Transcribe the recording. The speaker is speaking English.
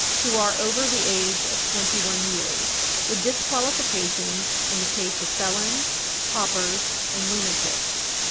. who are over the age of twenty one years" with disqualifications in the case of felons, paupers and lunatics.